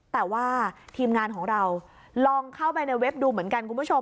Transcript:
แต่ว่าทีมงานของเราลองเข้าไปในเว็บดูเหมือนกันคุณผู้ชม